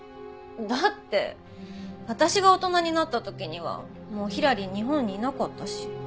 だって私が大人になった時にはもうヒラリン日本にいなかったし。